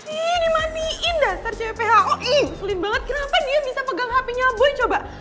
ih ini matiin dasar cpho ih sulit banget kenapa dia bisa pegang hapenya boy coba